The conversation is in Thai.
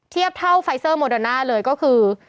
เทียบเท่าไฟเซอร์โมโดน่าเลยก็คือ